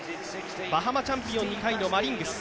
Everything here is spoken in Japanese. バハマチャンピオン２回のマリングス。